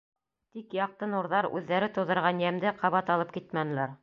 Тик яҡты нурҙар үҙҙәре тыуҙырған йәмде ҡабат алып китмәнеләр.